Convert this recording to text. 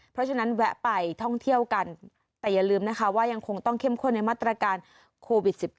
เพราะฉะนั้นแวะไปท่องเที่ยวกันแต่อย่าลืมนะคะว่ายังคงต้องเข้มข้นในมาตรการโควิด๑๙